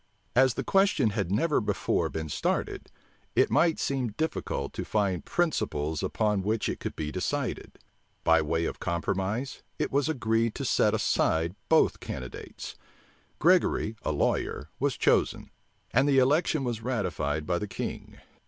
As the question had never before been started, it might seem difficult to find principles upon which it could be decided.[*] By way of compromise, it was agreed to set aside both candidates. Gregory, a lawyer, was chosen; and the election was ratified by the king.